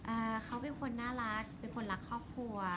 อ่าเขาเป็นคนน่ารักเป็นคนรักครอบครัว